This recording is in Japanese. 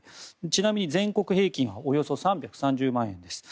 ちなみに全国平均はおよそ３３０万円です。